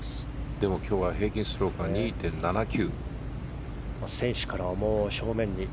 でも今日は平均ストロークは２．７９。